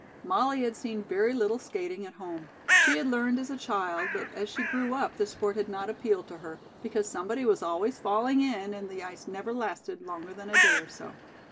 Molly had seen very little skating at home. She had learned as a child, but as she grew up the sport had not appealed to her, because somebody was always falling in and the ice never lasted longer than a day or so.